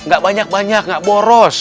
gak banyak banyak gak boros